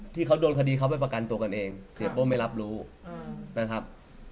ที่เขาโดนคดีเขาไปประกันตัวกันเองเสียโป้ไม่รับรู้นะครับ